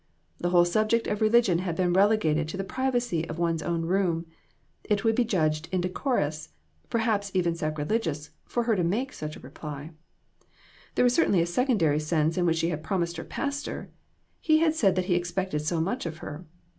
The whole subject of religion had been relegated to the privacy of one's own room; it would be judged indecorous, per haps even sacrilegious, for her to make such reply ; there was certainly a secondary sense in which she had promised her pastor; he had said that he expected so much of her.